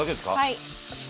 はい。